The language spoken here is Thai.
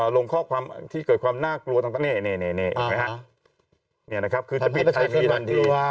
ลงข้อความที่เกิดความน่ากลัวต่างนี่นี่นะครับคือจะปิดไอพีลันดี